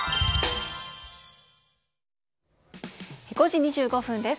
５時２５分です。